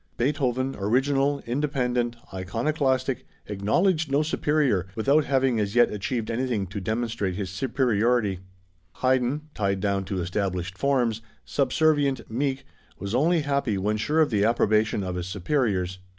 Beethoven, original, independent, iconoclastic, acknowledged no superior, without having as yet achieved anything to demonstrate his superiority; Haydn, tied down to established forms, subservient, meek, was only happy when sure of the approbation of his superiors.